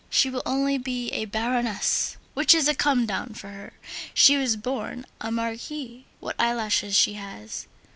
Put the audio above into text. She will only be a Baroness, which is a come down for her; she was born a Marquise. What eyelashes she has!